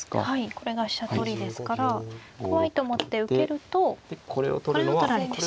これが飛車取りですから怖いと思って受けるとこれを取られてしまう。